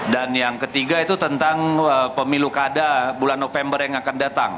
dan yang ketiga itu tentang pemilu kada bulan november yang akan datang